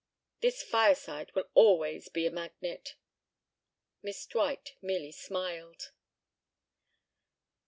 This fireside will always be a magnet." Miss Dwight merely smiled.